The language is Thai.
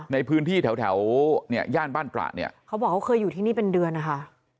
ในพื้นที่แถวแถวเนี่ยย่านบ้านตระเนี่ยเขาบอกเขาเคยอยู่ที่นี่เป็นเดือนนะคะ